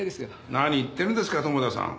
何言ってるんですか供田さん。